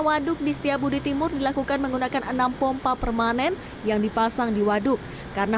waduk di setiabudi timur dilakukan menggunakan enam pompa permanen yang dipasang di waduk karena